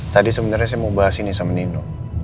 tadi sebenarnya saya mau bahas ini sama nino